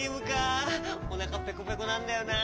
おなかペコペコなんだよな。